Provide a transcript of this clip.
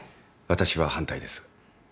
私は反対です。